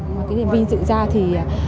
cái điện viên dự ra thì